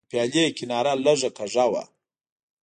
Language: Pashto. د پیالې کناره لږه کږه وه.